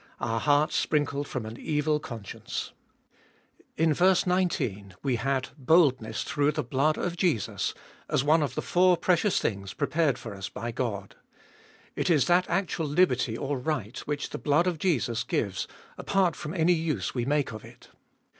. our hearts sprinkled from an evil consclenoa IN verse 19 we had boldness through the blood of Jesus, as one of the four precious things prepared for us by God. It is that actual liberty or right which the blood of Jesus gives, apart from any use we make of it.